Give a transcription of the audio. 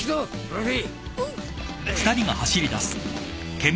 ルフィ！